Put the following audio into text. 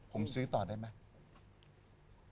ผมซื้อต่อได้ไหม